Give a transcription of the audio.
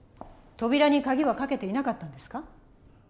扉にカギは掛けていなかったんですか？